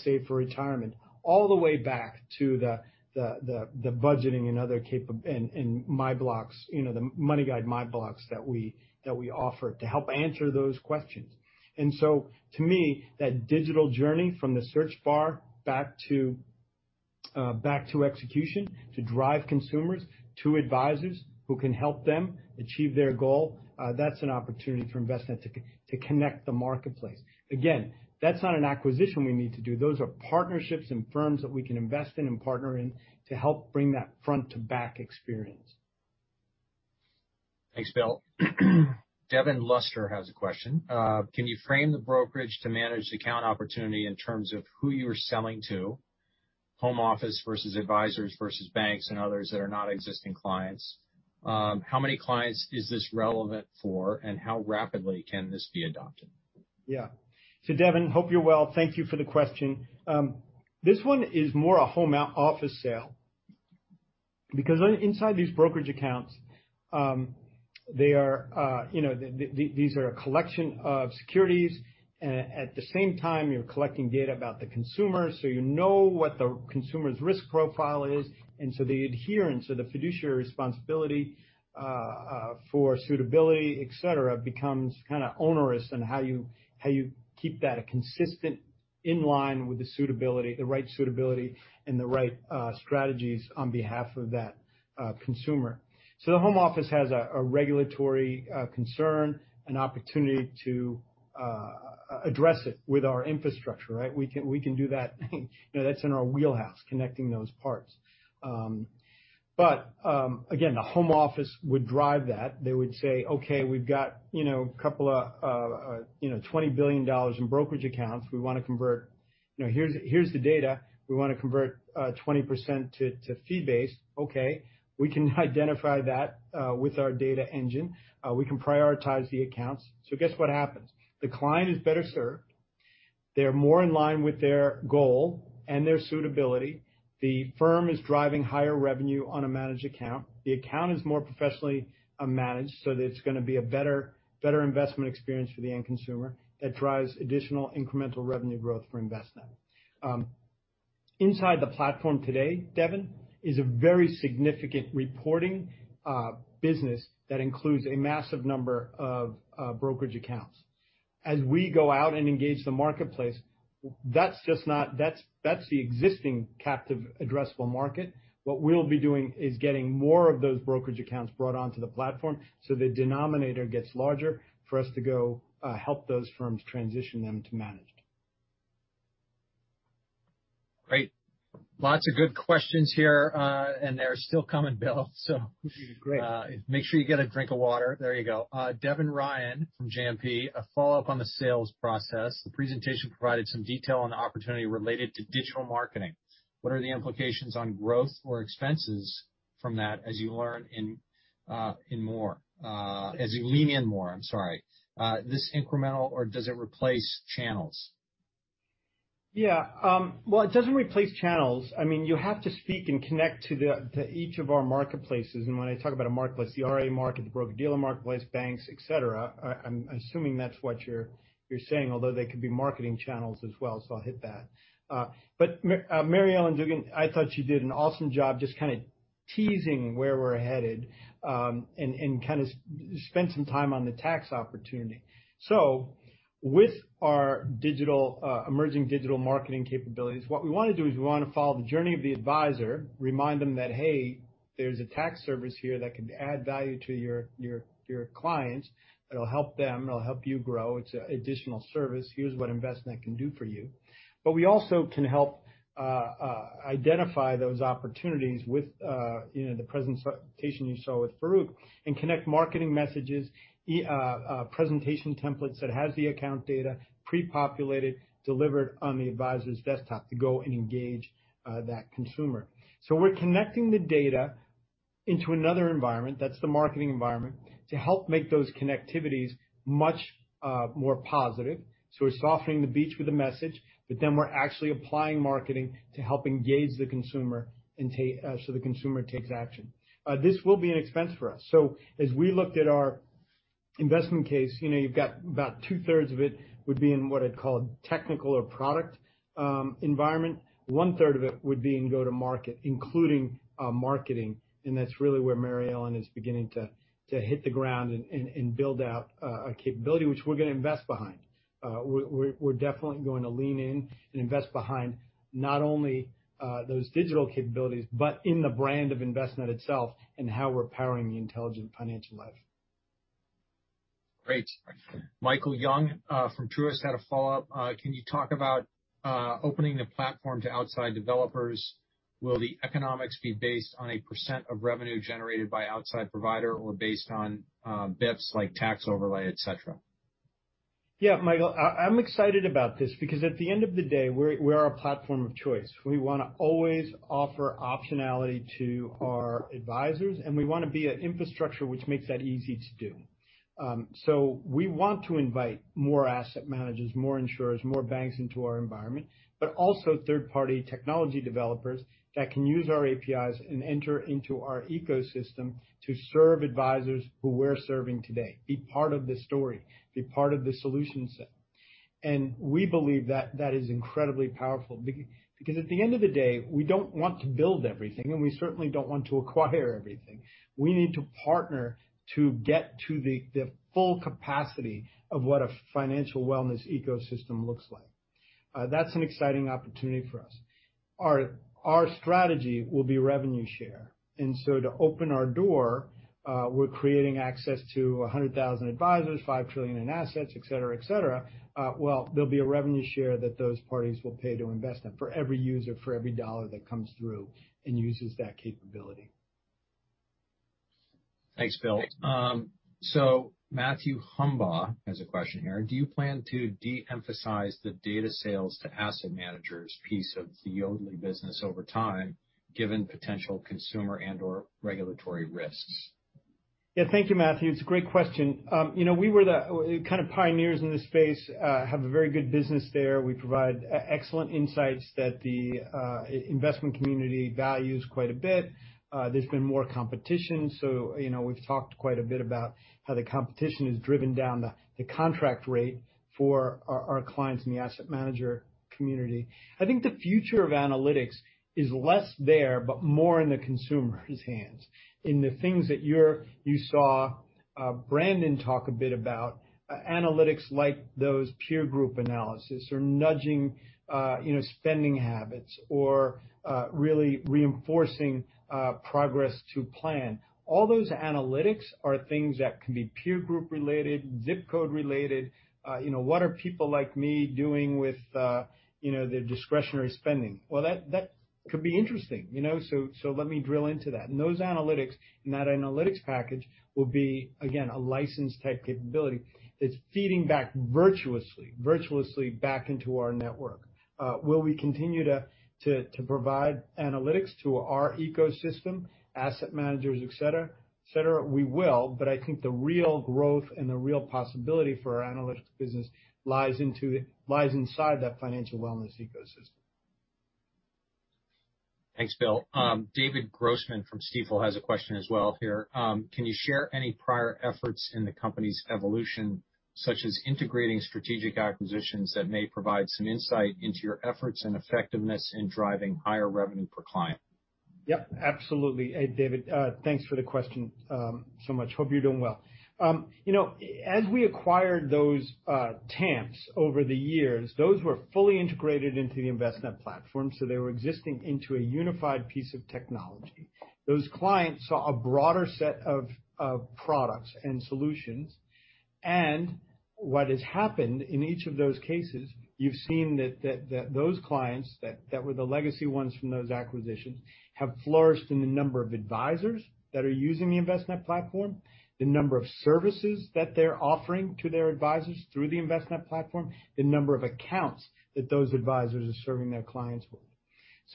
save for retirement, all the way back to the budgeting and the MoneyGuide MyBlocks that we offer to help answer those questions. And so, to me, that digital journey from the search bar back to execution to drive consumers to advisors who can help them achieve their goal, that's an opportunity for Envestnet to connect the marketplace. Again, that's not an acquisition we need to do those are partnerships and firms that we can invest in and partner in to help bring that front to back experience. Thanks, Bill. Devin Luster has a question. Can you frame the brokerage to manage account opportunity in terms of who you are selling to? home office versus advisors versus banks and others that are not existing clients? How many clients is this relevant for? and how rapidly can this be adopted? Yeah. Devin, hope you're well thank you for the question. This one is more a home office sale, because inside these brokerage accounts, these are a collection of securities. At the same time, you're collecting data about the consumer, so you know what the consumer's risk profile is. The adherence or the fiduciary responsibility for suitability, et cetera, becomes kind of onerous in how you keep that consistent in line with the suitability, the right suitability and the right strategies on behalf of that consumer. The home office has a regulatory concern, an opportunity to address it with our infrastructure, right? we can do that, that's in our wheelhouse, connecting those parts. Again, the home office would drive that. They would say, "Okay, we've got $20 billion in brokerage accounts here's the data. We want to convert 20% to fee-based." Okay. We can identify that with our data engine. We can prioritize the accounts. Guess what happens? The client is better served. They're more in line with their goal and their suitability. The firm is driving higher revenue on a managed account. The account is more professionally managed, so it's going to be a better investment experience for the end consumer that drives additional incremental revenue growth for Envestnet. Inside the platform today, Devin, is a very significant reporting business that includes a massive number of brokerage accounts. As we go out and engage the marketplace, that's the existing captive addressable market. What we'll be doing is getting more of those brokerage accounts brought onto the platform, so the denominator gets larger for us to go help those firms transition them to managed. Great. Lots of good questions here. They're still coming, Bill. Great. Make sure you get a drink of water there you go. Devin Ryan from JMP. A follow-up on the sales process. The presentation provided some detail on the opportunity related to digital marketing. What are the implications on growth or expenses? from that as you lean in more? Is this incremental, or does it replace channels? Yeah. Well, it doesn't replace channels. You have to speak and connect to each of our marketplaces when I talk about a marketplace, the RIA market, the broker-dealer marketplace, banks, et cetera. I'm assuming that's what you're saying, although they could be marketing channels as well i'll hit that. Mary Ellen Dugan, I thought she did an awesome job just kind of teasing where we're headed, and kind of spent some time on the tax opportunity. With our emerging digital marketing capabilities, what we want to do is we want to follow the journey of the advisor, remind them that, "Hey, there's a tax service here that can add value to your clients. It'll help them, it'll help you grow it's an additional service, here's what Envestnet can do for you. We also can help identify those opportunities with the presentation you saw with Farouk and connect marketing messages, presentation templates that has the account data pre-populated, delivered on the advisor's desktop to go and engage that consumer. We're connecting the data into another environment, that's the marketing environment, to help make those connectivities much more positive. We're softening the beach with a message, but then we're actually applying marketing to help engage the consumer so the consumer takes action. This will be an expense for us. As we looked at our investment case, you've got about 2/3 of it would be in what I'd call a technical or product environment. 1/3 of it would be in go-to-market, including marketing, and that's really where Mary Ellen is beginning to hit the ground and build out a capability which we're going to invest behind. We're definitely going to lean in and invest behind not only those digital capabilities, but in the brand of Envestnet itself and how we're powering the intelligent financial life. Great. Michael Young from Truist had a follow-up. Can you talk about opening the platform to outside developers? Will the economics be based on a percent of revenue generated by outside provider or based on basis points like tax overlay, et cetera? Yeah, Michael. I'm excited about this because at the end of the day, we are a platform of choice. We want to always offer optionality to our advisors, and we want to be an infrastructure which makes that easy to do. We want to invite more asset managers, more insurers, more banks into our environment. Also third-party technology developers that can use our APIs and enter into our ecosystem to serve advisors who we're serving today. Be part of the story, be part of the solution set. And we believe that is incredibly powerful, because at the end of the day, we don't want to build everything, and we certainly don't want to acquire everything. We need to partner to get to the full capacity of what a financial wellness ecosystem looks like. That's an exciting opportunity for us. Our strategy will be revenue share. And so to open our door, we're creating access to 100,000 advisors, $5 trillion in assets, et cetera. There'll be a revenue share that those parties will pay to Envestnet for every user, for every dollar that comes through and uses that capability. Thanks, Bill. Matthew Humbaugh has a question here do you plan to de-emphasize the data sales to asset managers piece of the Yodlee business over time, given potential consumer and/or regulatory risks? Yeah thank you Matthew. It's a great question. We were the kind of pioneers in this space, have a very good business there. We provide excellent insights that the investment community values quite a bit. There's been more competition so we've talked quite a bit about how the competition has driven down the contract rate for our clients in the asset manager community. I think the future of analytics is less there, but more in the consumer's hands. In the things that you saw Brandon talk a bit about, analytics like those peer group analysis or nudging spending habits or really reinforcing progress to plan. All those analytics are things that can be peer group related, zip code related. What are people like me doing with their discretionary spending? Well, that could be interesting you know so let me drill into that those analytics and that analytics package will be, again, a license type capability that's feeding back virtuously back into our network. Will we continue to provide analytics to our ecosystem, asset managers, et cetera? we will but i think the real growth and the real possibility for our analytics business lies inside that financial wellness ecosystem. Thanks, Bill. David Grossman from Stifel has a question as well here. Can you share any prior efforts in the company's evolution? such as integrating strategic acquisitions that may provide some insight into your efforts and effectiveness in driving higher revenue per client? Yep, absolutely David, thanks for the question so much hope you're doing well. As we acquired those TAMPs over the years, those were fully integrated into the Envestnet platform, so they were existing into a unified piece of technology. Those clients saw a broader set of products and solutions. And, what has happened in each of those cases, you've seen that those clients that were the legacy ones from those acquisitions have flourished in the number of advisors that are using the Envestnet platform, the number of services that they're offering to their advisors through the Envestnet platform, the number of accounts that those advisors are serving their clients with.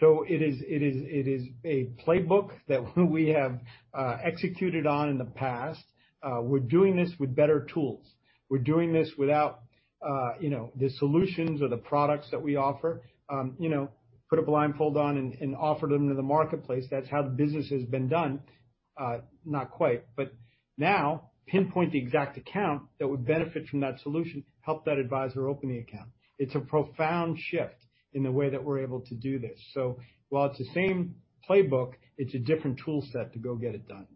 It is a playbook that we have executed on in the past. We're doing this with better tools. We're doing this without the solutions or the products that we offer. You know, put a blindfold on and offer them to the marketplace that's how the business has been done. Not quite, but now pinpoint the exact account that would benefit from that solution, help that advisor open the account. It's a profound shift in the way that we're able to do this so, while it's the same playbook, it's a different tool set to go get it done.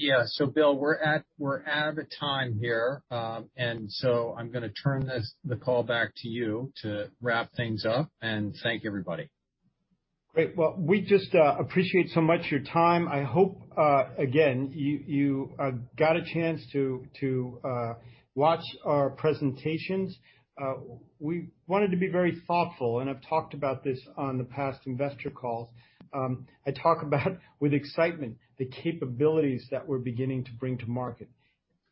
Yeah. Bill, we're out of time here. I'm going to turn the call back to you to wrap things up and thank everybody. Great. Well, we just appreciate so much your time i hope, again, you got a chance to watch our presentations. We wanted to be very thoughtful, and I've talked about this on the past investor calls. I talk about, with excitement, the capabilities that we're beginning to bring to market.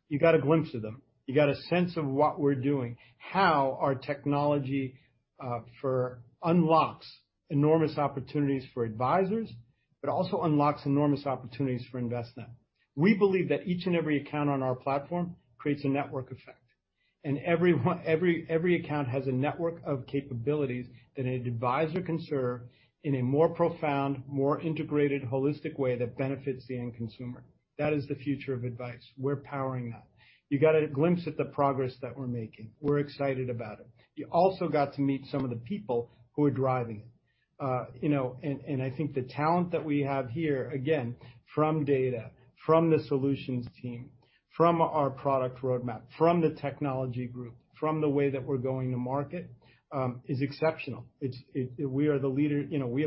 You got a glimpse of them. You got a sense of what we're doing, how our technology unlocks enormous opportunities for advisors, but also unlocks enormous opportunities for Envestnet. We believe that each and every account on our platform creates a network effect, and every account has a network of capabilities that an advisor can serve in a more profound, more integrated, holistic way that benefits the end consumer. That is the future of advice. We're powering that. You got a glimpse at the progress that we're making. We're excited about it. You also got to meet some of the people who are driving it. I think the talent that we have here, again, from data, from the solutions team, from our product roadmap, from the technology group, from the way that we're going to market, is exceptional. We have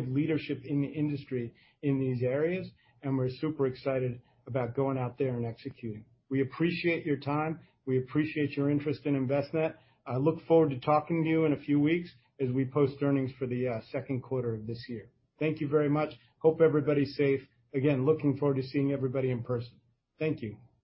leadership in the industry in these areas, and we're super excited about going out there and executing. We appreciate your time. We appreciate your interest in Envestnet. I look forward to talking to you in a few weeks as we post earnings for the Q2 of this year. Thank you very much. Hope everybody's safe. Again, looking forward to seeing everybody in person. Thank you.